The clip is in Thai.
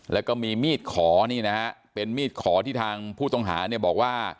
แล้วก็มีมีดขอนี่นะฮะเป็นมีดขอที่ทางผู้ต้องหาเนี่ยบอกว่า